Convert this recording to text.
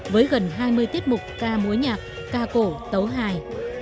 với gần hai mươi tiết mục ca múa nhạc ca cổ tấu hài